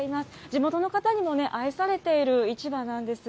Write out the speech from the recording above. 地元の方にも愛されている市場なんです。